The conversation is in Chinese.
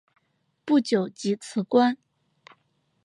不久即辞官。